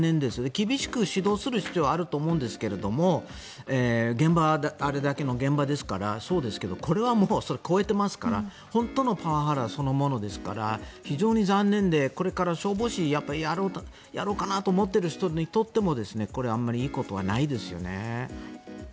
厳しく指導する必要はあると思いますが現場はあれだけの現場ですからそうですがこれはもうそれを超えてますから本当のパワハラそのものですから非常に残念でこれから消防士やろうかなと思ってる人にとってもこれはあんまりいいことはないですよね。